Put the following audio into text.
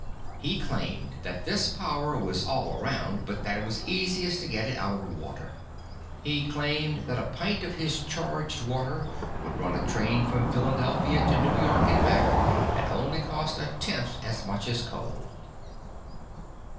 He claimed that this power was all around, but that it was easiest to get it out of water. He claimed that a pint of his charged water would run a train from Philadelphia to New York and back and only cost a tenth as much as coal."